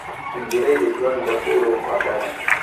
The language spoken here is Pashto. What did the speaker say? نجلۍ د ژوند له ټولو خوږه ده.